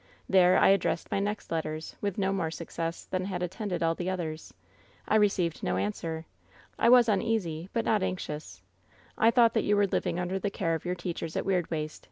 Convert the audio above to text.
There I addressed my next letters, with no more success than had attended all the others. I received no answer. I was uneasy, but not anxious. I thought that you were living under the care of your teachers at Weirdwaste.